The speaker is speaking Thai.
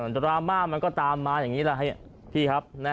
ดราม่ามันก็ตามมาอย่างนี้